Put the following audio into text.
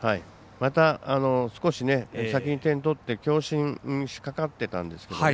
また、少し先に点を取って強振しかかってたんですけどね。